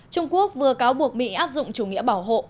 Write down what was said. trung quốc vừa cáo buộc mỹ áp dụng chủ nghĩa bảo hộ